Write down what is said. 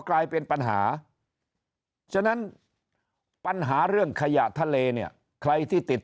กลายเป็นปัญหาฉะนั้นปัญหาเรื่องขยะทะเลเนี่ยใครที่ติด